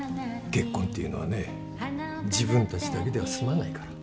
結婚っていうのはね自分たちだけでは済まないから。